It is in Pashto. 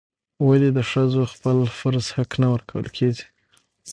ولې د ښځو خپل فرض حق نه ورکول کیږي؟